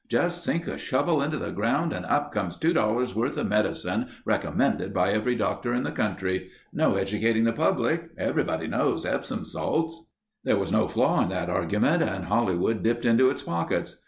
"Just sink a shovel into the ground and up comes two dollars' worth of medicine recommended by every doctor in the country. No educating the public. Everybody knows epsom salts." There was no flaw in that argument and Hollywood dipped into its pockets.